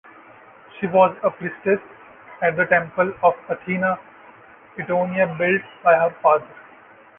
She was a priestess at the temple of Athena Itonia built by her father.